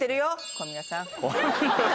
小宮さん。